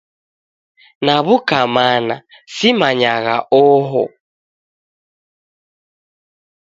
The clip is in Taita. Naw'uka mana, simanyagha oho.